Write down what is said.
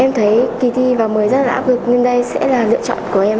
em thấy kỳ thi và mới rất là áp lực nên đây sẽ là lựa chọn của em